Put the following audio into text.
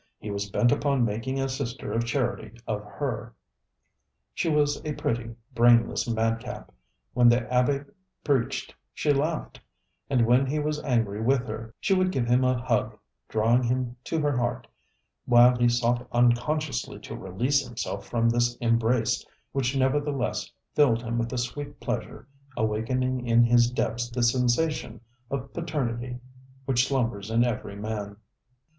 He was bent upon making a sister of charity of her. She was a pretty, brainless madcap. When the abbe preached she laughed, and when he was angry with her she would give him a hug, drawing him to her heart, while he sought unconsciously to release himself from this embrace which nevertheless filled him with a sweet pleasure, awakening in his depths the sensation of paternity which slumbers in every man.